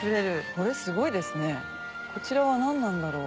これすごいですねこちらは何なんだろう？